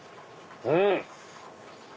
うん！